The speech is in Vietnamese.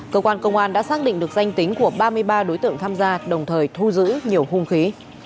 cơ quan công an đã xác định được danh tính của ba mươi ba đối tượng tham gia đồng thời thu giữ nhiều hung khí